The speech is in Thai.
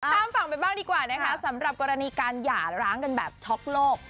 ข้ามฝั่งไปบ้างดีกว่านะคะสำหรับกรณีการหย่าร้างกันแบบช็อกโลก